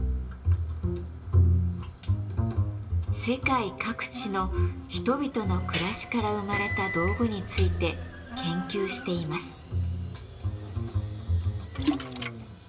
世界各地の人々の暮らしから生まれた道具について研究しています。